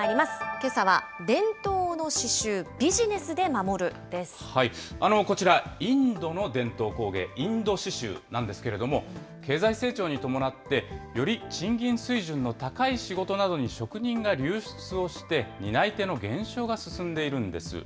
けさは伝統の刺しゅう、こちら、インドの伝統工芸、インド刺しゅうなんですけれども、経済成長に伴ってより賃金水準の高い仕事などに職人が流出をして、担い手の減少が進んでいるんです。